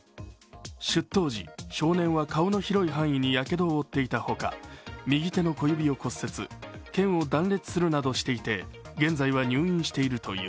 出頭時、少年は顔の広い範囲にやけどを負っていたほか右手の小指を骨折けんを断裂するなどしていて現在は入院しているという。